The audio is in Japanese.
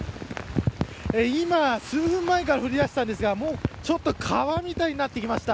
今、数分前から降りだしたんですがちょっと川みたいになってきました。